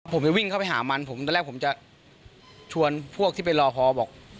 ผมจะวิ่งเข้าไปหามันผมตอนแรกผมจะชวนพวกที่ไปรอพอบอก